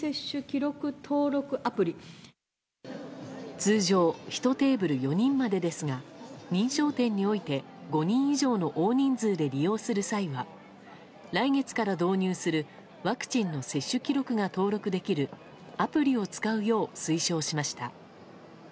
通常１テーブル４人までですが認証店において５人以上の大人数で利用する際は来月から導入するワクチンの接種記録が登録できるアプリを使うよう推奨しました。